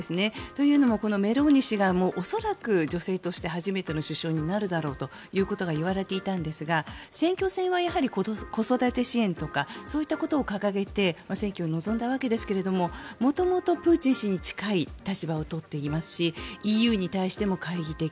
というのもこのメローニ氏が恐らく女性として初めての首相になるだろうということが言われていたんですが選挙戦は子育て支援とかそういったことを掲げて選挙に臨んだわけですが元々プーチン氏に近い立場を取っていますしＥＵに対しても懐疑的。